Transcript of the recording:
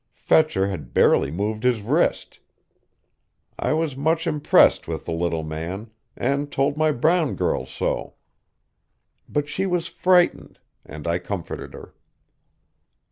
Fetcher had barely moved his wrist.... I was much impressed with the little man, and told my brown girl so. But she was frightened, and I comforted her."